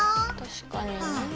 確かに。